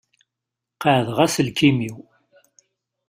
Qaεdeɣ aselkim-iw.